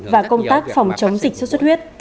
và công tác phòng chống dịch xuất xuất huyết